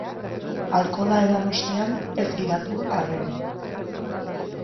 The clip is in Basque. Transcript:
Alkohola edan ostean, ez gidatu, arren.